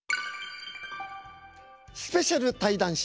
「スペシャル対談集」